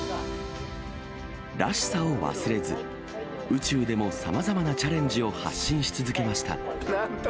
らしさを忘れず、宇宙でもさまざまなチャレンジを発信し続けました。